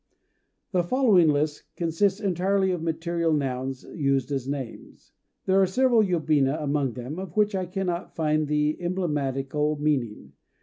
The following list consists entirely of material nouns used as names. There are several yobina among them of which I cannot find the emblematical meaning.